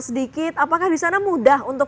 sedikit apakah disana mudah untuk